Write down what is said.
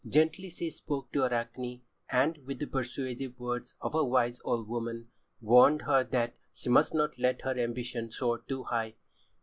Gently she spoke to Arachne, and, with the persuasive words of a wise old woman, warned her that she must not let her ambition soar too high.